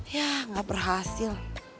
ya gak berhasil